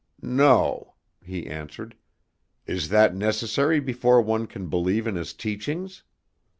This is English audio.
"No," he answered. "Is that necessary before one can believe in his teachings?